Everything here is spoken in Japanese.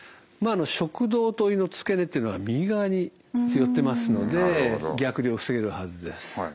食道と胃の付け根というのは右側に寄ってますので逆流を防げるはずです。